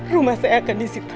rumah saya akan disimpan